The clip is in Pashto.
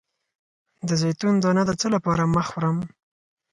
د زیتون دانه د څه لپاره مه خورم؟